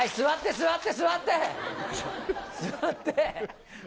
座って。